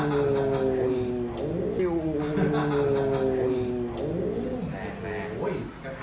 กระถามลูกออกออกไปนอนเลย